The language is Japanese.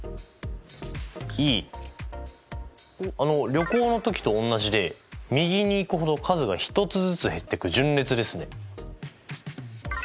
旅行の時とおんなじで右に行くほど数が１つずつ減ってく順列ですね。